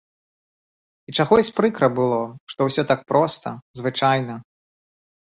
І чагось прыкра было, што ўсё так проста, звычайна.